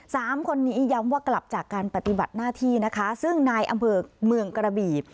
สามคนนี้ย้ำว่ากลับจากการปฏิบัติหน้าที่นะคะซึ่งนายอำเภอเมืองกระบี